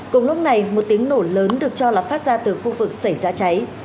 cùng lúc này một tiếng nổ lớn được cho là phát ra từ khu vực xảy ra cháy